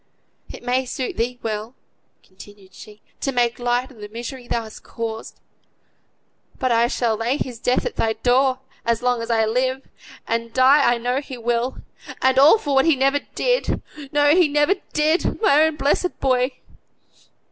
"It may suit thee well," continued she, "to make light o' the misery thou hast caused; but I shall lay his death at thy door, as long as I live, and die I know he will; and all for what he never did no, he never did; my own blessed boy!"